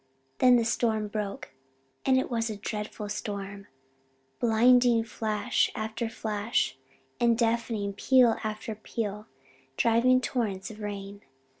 Then the storm broke and it was a dreadful storm blinding flash after flash and deafening peal after peal, driving torrents of rain.